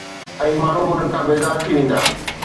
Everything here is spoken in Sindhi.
۽ ماڻهو به انهن کان بيزار ٿي ويندا.